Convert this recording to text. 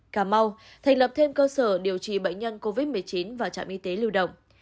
cà mau thành lập thêm cơ sở điều trị bệnh nhân covid một mươi chín và trạm y tế lưu động